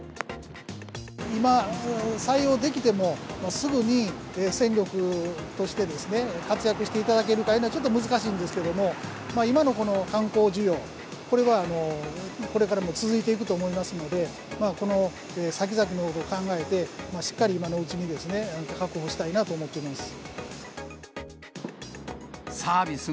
今、採用できても、すぐに戦力として活躍していただけるのはちょっと難しいんですけれども、今の観光需要、これがこれからも続いていくと思いますので、このさきざきのことを考えて、しっかり今のうちに確保したいなと思ってます。